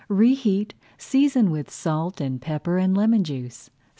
Reheat, season with salt and pepper and lemon juice.